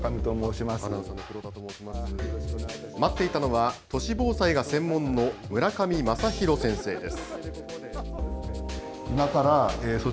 待っていたのは都市防災が専門の村上正浩先生です。